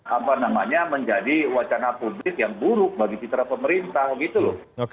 apa namanya menjadi wacana publik yang buruk bagi citra pemerintah gitu loh